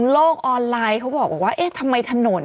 โลกออนไลน์บอกว่าทำไมถนน